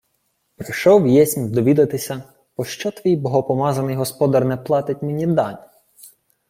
— Прийшов єсмь довідатися, пощо твій богопомазаний господар не платить мені дань.